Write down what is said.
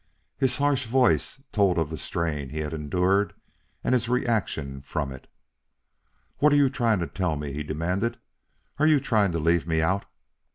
His harsh voice told of the strain he had endured and his reaction from it. "What are you trying to tell me?" he demanded. "Are you trying to leave me out?"